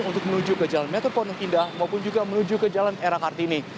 untuk menuju ke jalan metro pondok indah maupun juga menuju ke jalan era kartini